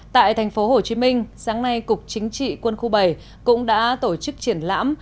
tại thành phố hồ chí minh sáng nay cục chính trị quân khu bảy cũng đã tổ chức triển lãm